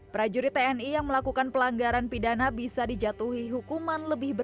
prajurit tni yang melakukan pelanggaran pidana bisa dijatuhi